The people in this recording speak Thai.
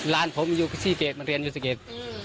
ร้านผมอยู่๔เกรดเรียนอยู่๑๐เกรด